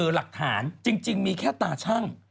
หลักฐานจริงมีแค่ตาชั่ง